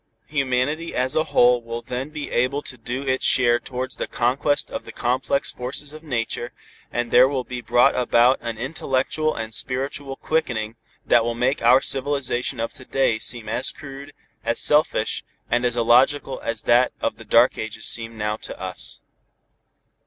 Humanity as a whole will then be able to do its share towards the conquest of the complex forces of nature, and there will be brought about an intellectual and spiritual quickening that will make our civilization of to day seem as crude, as selfish and illogical as that of the dark ages seem now to us.